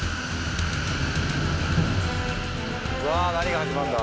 うわあ何が始まるんだ？